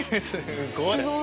すごいな。